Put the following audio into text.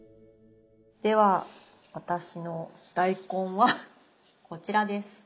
では私の大根はこちらです。